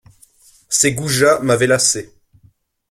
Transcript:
Ces goujats m'avaient lassé.